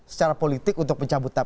secara politik untuk mencabut